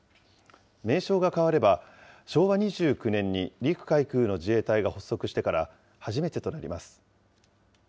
名称が変われば、昭和２９年に陸海空の自衛隊が発足してから初めてとなります。